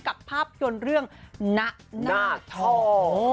กับภาพยนตร์เรื่องณหน้าทอง